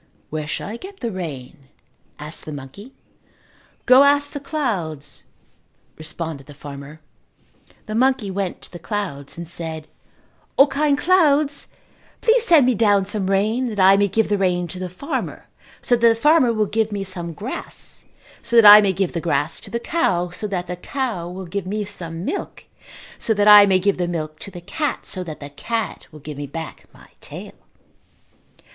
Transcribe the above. "Where shall I get the rain?" asked the monkey. "Go ask the clouds," responded the farmer. The monkey went to the clouds and said, "O, kind clouds, please send me down some rain that I may give the rain to the farmer so that the farmer will give me some grass so that I may give the grass to the cow so that the cow will give me some milk so that I may give the milk to the cat so that the cat will give me back my tail."